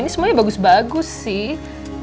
ini semuanya bagus bagus sih